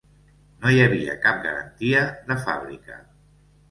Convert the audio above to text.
No hi havia cap garantia de fàbrica.